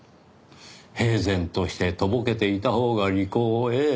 平然としてとぼけていたほうが利口ええ